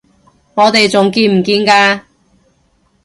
我哋仲見唔見㗎？